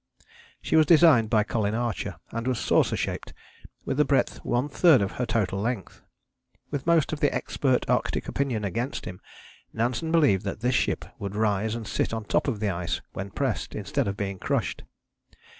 She was designed by Colin Archer, and was saucer shaped, with a breadth one third of her total length. With most of the expert Arctic opinion against him, Nansen believed that this ship would rise and sit on the top of the ice when pressed, instead of being crushed.